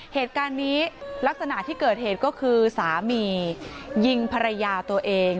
เหตุการณ์นี้ลักษณะที่เกิดเหตุก็คือสามียิงภรรยาตัวเอง